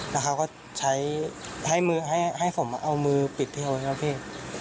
แล้วเขาก็ใช้ให้มือให้ผมเอามือปิดเทิวใช่ไหมครับพี่